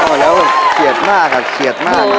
อ้าวแล้วเขียนมากอะเขียนมาก